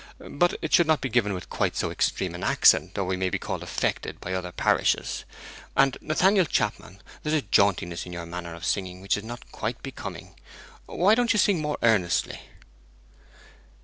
'But it should not be given with quite so extreme an accent; or we may be called affected by other parishes. And, Nathaniel Chapman, there's a jauntiness in your manner of singing which is not quite becoming. Why don't you sing more earnestly?'